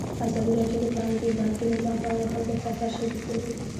ازادي راډیو د بانکي نظام په اړه د خلکو احساسات شریک کړي.